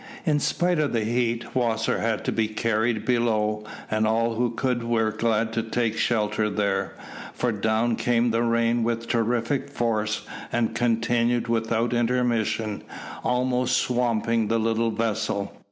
In spite of the heat, Wasser had to be carried below, and all who could were glad to take shelter there, for down came the rain with terrific force, and continued without intermission, almost swamping the little vessel.